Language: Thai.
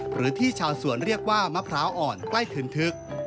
หรือที่ชาวสวนเรียกว่ามะพร้าวอ่อนใกล้คืนทึก